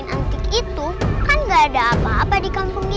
atau serm kingdom